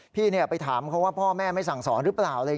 พี่ไปถามเขาว่าพ่อแม่ไม่สั่งสอนหรือเปล่า